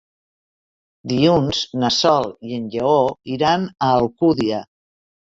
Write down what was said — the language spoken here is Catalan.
Dilluns na Sol i en Lleó iran a Alcúdia.